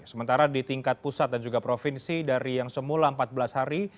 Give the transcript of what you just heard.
sementara di tingkat pusat dan juga provinsi dari yang semula empat belas hari